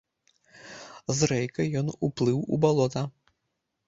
З рэйкай ён уплыў у балота.